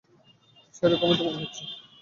সেরকমই তো মনে হচ্ছে।